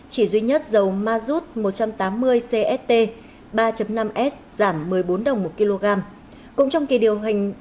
chỉ duy nhất dầu mazut một trăm tám mươi cst ba năm s giảm một mươi bốn đồng một kg